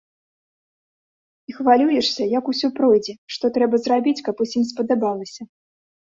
І хвалюешся, як усё пройдзе, што трэба зрабіць, каб усім спадабалася.